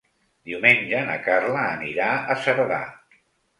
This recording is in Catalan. Diumenge na Carla anirà a Cerdà.